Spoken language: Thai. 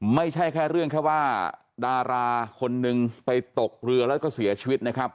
ไม่ใช่แค่เรื่องแค่ว่าดาราคนนึงไปตกเรือแล้วก็เสียชีวิตนะครับ